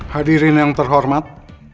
hadirin yang terhormat